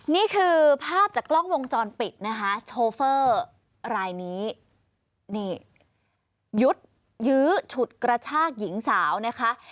นี่คือภาพจากกล้องวงจรปิดนะคะโชเฟอร์รายนี้นี่ยุดยื้อฉุดกระชากหญิงสาวนะคะ